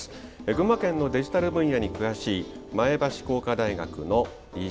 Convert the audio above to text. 群馬県のデジタル分野に詳しい前橋工科大学の理事長